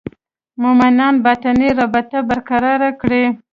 مومنان باطني رابطه برقراره کړي.